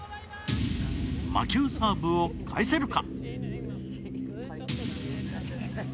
魔球サーブを返せるか？